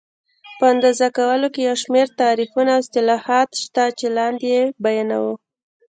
په اندازه کولو کې یو شمېر تعریفونه او اصلاحات شته چې لاندې یې بیانوو.